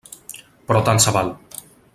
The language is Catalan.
Però tant se val.